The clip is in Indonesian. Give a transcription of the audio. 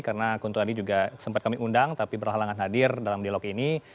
karena kuntro adi juga sempat kami undang tapi berhalangan hadir dalam dialog ini